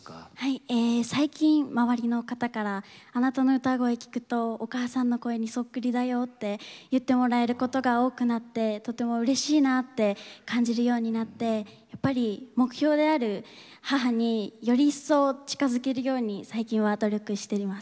最近周りの方から「あなたの唄声聴くとお母さんの声にそっくりだよ」って言ってもらえることが多くなってとてもうれしいなって感じるようになってやっぱり目標である母により一層近づけるように最近は努力しています。